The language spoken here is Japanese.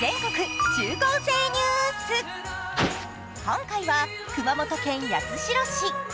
今回は、熊本県八代市。